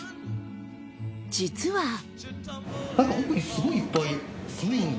実は。